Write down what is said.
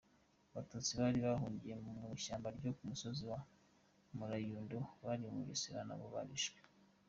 Abatutsi bari bahungiye mu ishyamba ryo ku musozi wa Maranyundo, muri Bugesera nabo barishwe.